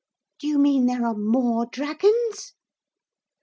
'Do you mean there are more dragons?'